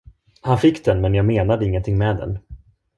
Han fick den, men jag menade ingenting med den.